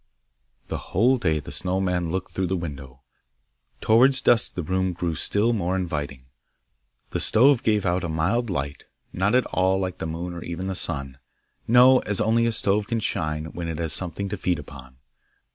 The whole day the Snow man looked through the window; towards dusk the room grew still more inviting; the stove gave out a mild light, not at all like the moon or even the sun; no, as only a stove can shine, when it has something to feed upon.